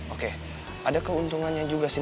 oke ada keuntungannya juga sih